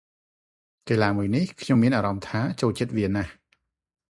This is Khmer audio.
កីឡាមួយនេះ ខ្ញុំមានអារម្មណ៏ថា ចូលចិត្តវាណាស់ ។